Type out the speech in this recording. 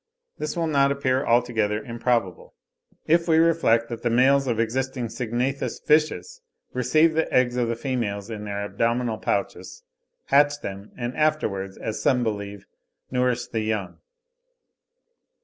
This will not appear altogether improbable, if we reflect that the males of existing syngnathous fishes receive the eggs of the females in their abdominal pouches, hatch them, and afterwards, as some believe, nourish the young (30.